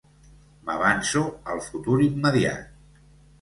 M'avanço al futur immediat.